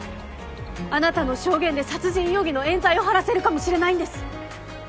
あなたの証言で殺人容疑の冤罪を晴らせるかもしれないんです！